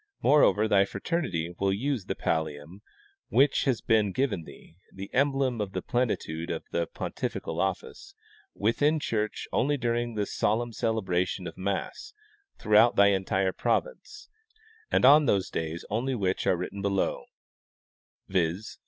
Moreover, thy fraternity will use the pallium which has been given thee, the emblem of the plenitude of the pontifical office, within church onlv during the solemn celebration of mass 208 W. E. Curtis — Pre Columbian, VaHcan Documents. throughout th}^ entire province, and on those days only which are written below, viz.